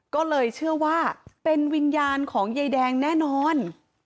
ก็เลยเชื่อว่าเป็นวิญญาณของยายแดงแน่นอน